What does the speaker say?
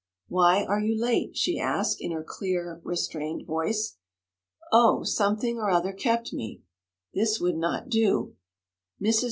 'Why are you late?' she asked, in her clear, restrained voice. 'Oh something or other kept me.' This would not do. Mrs.